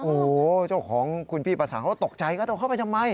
โอ้โฮของคุณพี่ประสานก็ตกใจกระโดดเข้าไปทำไม